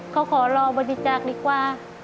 เขาขอรอบริจาคดีกว่า